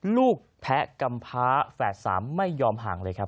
แพ้กำพ้าแฝดสามไม่ยอมห่างเลยครับ